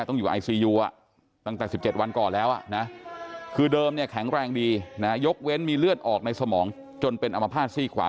ต้องอยู่ไอซียูตั้งแต่๑๗วันก่อนแล้วนะคือเดิมเนี่ยแข็งแรงดีนะยกเว้นมีเลือดออกในสมองจนเป็นอมภาษณซี่ขวา